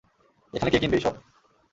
এখানে কে কিনবে এইসব?